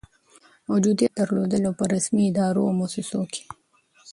موجودیت درلود، او په رسمي ادارو او مؤسسو کي